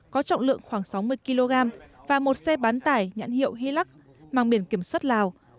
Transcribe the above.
có trọng lượng khoảng sáu mươi kg và một xe bán tải nhãn hiệu hilk mang biển kiểm soát lào